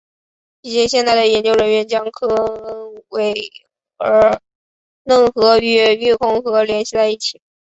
一些现代的研究人员常将科恩威尔嫩河与育空河联系在一起。